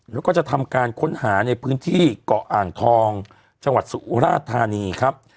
แล้วก็จะทำการค้นหาในพื้นที่เกาะอ่างทองจังหวัดสุราธานีครับ